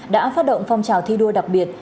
đã phát động phong trào thi đua đặc biệt